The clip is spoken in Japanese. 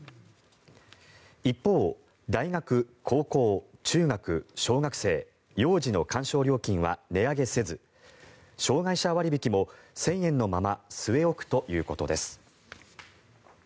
一方、大学、高校、中学、小学生幼児の鑑賞料金は値上げせず障がい者割引も１０００円のまま据え置くということです。